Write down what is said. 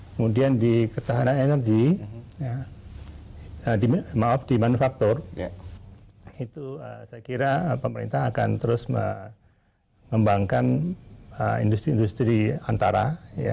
kemudian di ketahanan energi maaf di manufaktur itu saya kira pemerintah akan terus mengembangkan industri industri antara